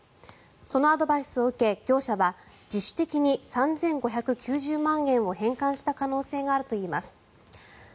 そのアドバイスを受け業者は自主的に３５９０万円を返還した可能性があるといいます。